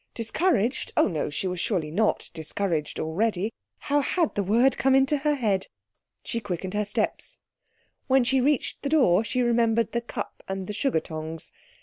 Discouraged? Oh no; she was surely not discouraged already. How had the word come into her head? She quickened her steps. When she reached the door she remembered the cup and the sugar tongs.